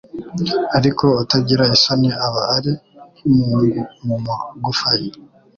ariko utagira isoni aba ari nk’imungu mu magufa ye